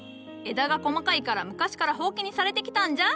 枝が細かいから昔から箒にされてきたんじゃ。